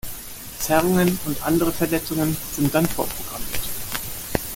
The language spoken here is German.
Zerrungen und andere Verletzungen sind dann vorprogrammiert.